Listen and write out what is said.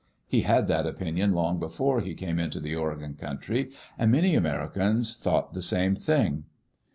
He had that opinion long before he came into the Oregon country. And many Americans thought the same thing.